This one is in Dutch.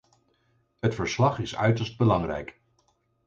Het verslag is uiterst belangrijk.